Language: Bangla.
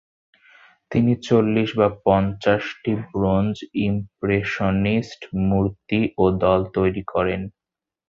তিনি চল্লিশ বা পঞ্চাশটি ব্রোঞ্জ ইমপ্রেশনিস্ট মূর্তি ও দল তৈরি করেন।